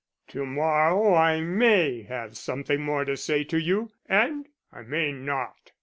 To morrow I may have something more to say to you, and I may not.